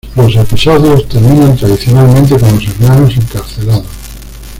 Los episodios terminan tradicionalmente con los hermanos encarcelados.